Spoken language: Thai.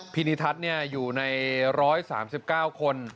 นิทัศน์อยู่ใน๑๓๙คน